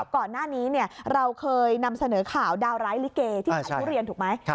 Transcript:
ก่อนหน้านี้เราเคยนำเสนอข่าวดาวร้ายลิเกที่ขายทุเรียนถูกไหม